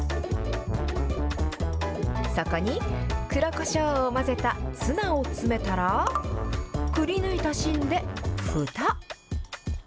そこに黒こしょうを混ぜたツナを詰めたら、くりぬいた芯でふた。